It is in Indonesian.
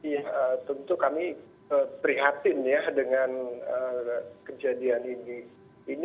ya tentu kami prihatin ya dengan kejadian ini